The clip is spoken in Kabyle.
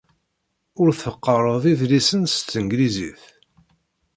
Ur teqqareḍ idlisen s tanglizit.